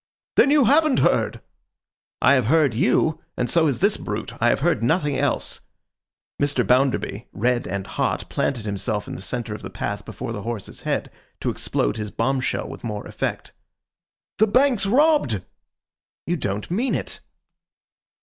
'Then you haven't heard!' 'I have heard you, and so has this brute. I have heard nothing else.' Mr. Bounderby, red and hot, planted himself in the centre of the path before the horse's head, to explode his bombshell with more effect. 'The Bank's robbed!' 'You don't mean it!